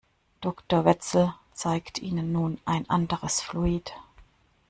Doktor Wetzel zeigt Ihnen nun ein anderes Fluid.